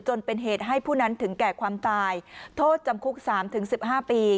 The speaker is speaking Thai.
จนเป็นเหตุให้ผู้นั้นถึงแก่ความตายโทษจำคุก๓๑๕ปี